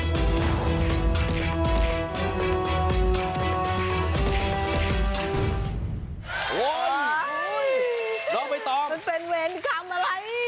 ลองไปตอบเป็นเวรคำอะไร